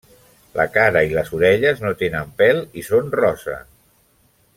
La cara i les orelles no tenen pèl i són rosa.